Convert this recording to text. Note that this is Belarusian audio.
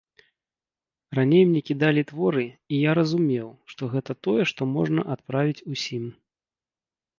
Раней мне кідалі творы, і я разумеў, што гэта тое, што можна адправіць усім.